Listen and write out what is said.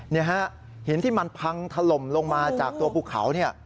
นี่ฮะหินที่มันพังถล่มลงมาจากตัวภูเขาเนี่ย